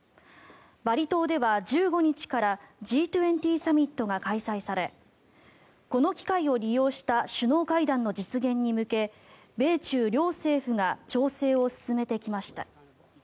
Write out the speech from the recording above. バリ島では１５日からＧ２０サミットが開催されこの機会を利用した首脳会談の実現に向け米中両政府が調整を進めてきました。